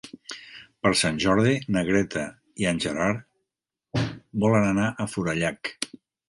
Per Sant Jordi na Greta i en Gerard volen anar a Forallac.